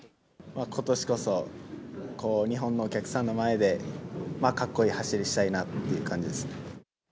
ことしこそ、日本のお客さんの前で、かっこいい走りしたいなっていう感じですね。